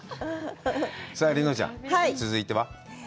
さあ、梨乃ちゃん、続いては？